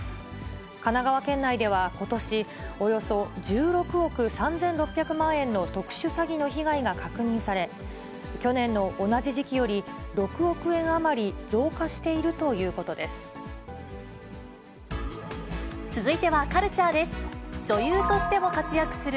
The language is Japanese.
神奈川県内ではことし、およそ１６億３６００万円の特殊詐欺の被害が確認され、去年の同じ時期より６億円余り増加しているということです。